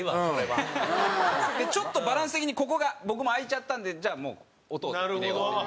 ちょっとバランス的にここが僕も空いちゃったんでじゃあもう音を入れようっていう。